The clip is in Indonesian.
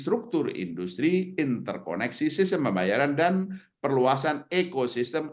struktur industri interkoneksi sistem pembayaran dan perluasan ekosistem